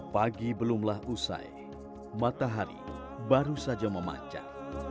pagi belumlah usai matahari baru saja memancar